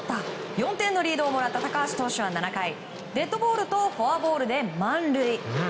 ４点リードをもらった高橋投手は７回デッドボールとフォアボールで満塁。